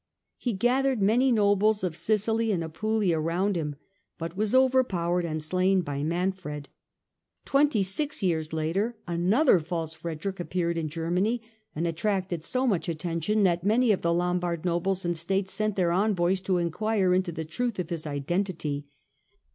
He gathered many nobles of Sicily and Apulia round him, but was over powered and slain by Manfred. Twenty six years later another false Frederick appeared in Germany and attracted so much attention that many of the Lombard nobles and states sent their envoys to enquire into the truth of his identity.